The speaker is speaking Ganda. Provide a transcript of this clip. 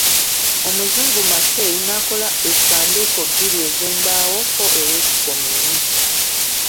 Omuzungu Mackay n'akola essanduuko bbiri ez'embawo ko ey'ekikomo emu.